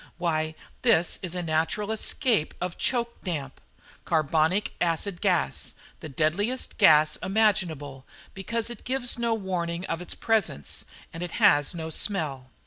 "Why, this is a natural escape of choke damp. Carbonic acid gas the deadliest gas imaginable, because it gives no warning of its presence, and it has no smell.